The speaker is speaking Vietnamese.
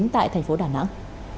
tại thành phố đà nẵng